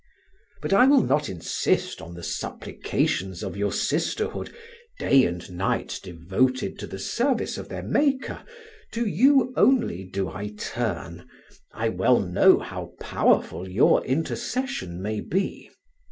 But I will not insist on the supplications of your sisterhood, day and night devoted to the service of their Maker; to you only do I turn. I well know how powerful your intercession may be.